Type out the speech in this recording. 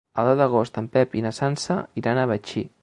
El deu d'agost en Pep i na Sança iran a Betxí.